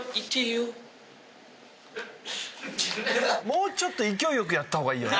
もうちょっと勢いよくやった方がいいよ。